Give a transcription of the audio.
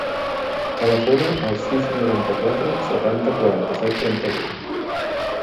Telefona al sis, noranta-quatre, setanta, quaranta-set, trenta-vuit.